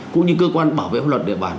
cũng như cơ quan bảo vệ pháp luật địa bàn